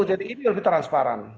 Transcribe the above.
jadi ini lebih transparan